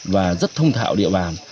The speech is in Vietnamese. và rất thông thạo địa bàn